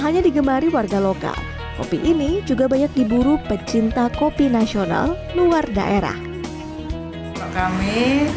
hanya digemari warga lokal kopi ini juga banyak diburu pecinta kopi nasional luar daerah kami